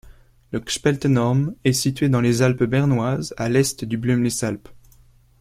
Le Gspaltenhorn est situé dans les Alpes bernoises à l'est du Blüemlisalp.